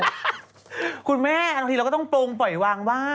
คุณแม่ตอนนี้เราก็ต้องตรงปล่อยวางว่าง